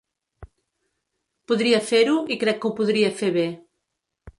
Podria fer-ho i crec que ho podria fer bé.